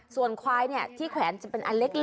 ส่วนควายที่แขวนจะเป็นอันเล็ก